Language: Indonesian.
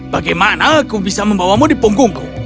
bagaimana aku bisa membawamu di punggungku